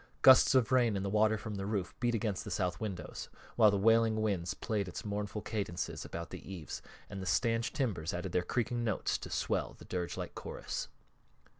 Gusts of rain and the water from the roof beat against the south windows, while the wailing wind played its mournful cadences about the eaves, and the stanch timbers added their creaking notes to swell the dirgelike chorus.